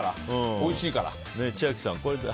おいしいから。